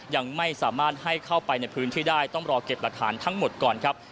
ยังไม่สามารถให้เข้าไปในพื้นที่ได้ต้องรอเก็บหลักฐานทั้งหมดก่อนครับ